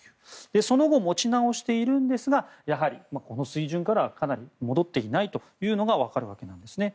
その後、持ち直しているんですがやはりこの水準からはかなり戻っていないというのがわかるわけなんですね。